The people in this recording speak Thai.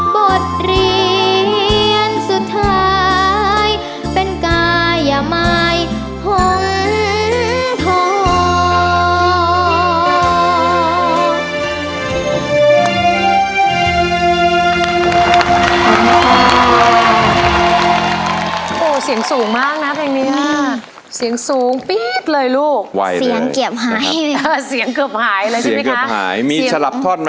บทเรียนสุดท้ายเป็นกายไม้หงทอง